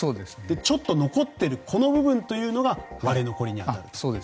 ちょっと残っている部分が割れ残りに当たると。